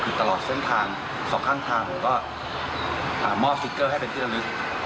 คือตลอดเส้นทางสองข้างทางผมก็มอบสติ๊กเกอร์ให้เป็นที่ระลึก